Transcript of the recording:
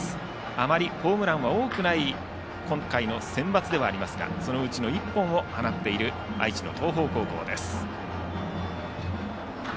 あまりホームランは多くない今回のセンバツではありますがそのうちの１本を放っている愛知の東邦高校です。